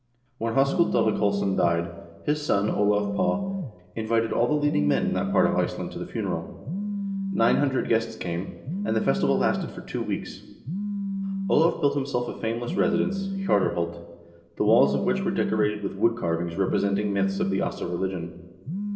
When Hoskuld Dalakolls son died, his son, Olav Paa, invited all the leading men in that part of Iceland to the funeral. Nine hundred guests came(= 1080), and the festival lasted for two weeks. Olav built himself a famous residence, Hjardarholt, the walls of which were decorated with wood carvings representing myths of the Asa religion.